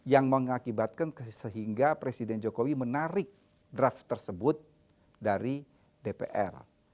yang mengakibatkan sehingga presiden jokowi menarik draft tersebut dari dpr